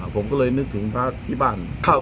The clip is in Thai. ผมก็เลยนึกถึงพระที่บ้าน